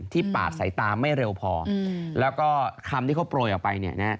ที่ปาดสายตาไม่เร็วพอแล้วก็คำที่เขาโปรยออกไปเนี่ยนะครับ